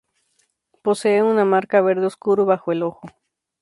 Posee una marca verde oscuro bajo el ojo.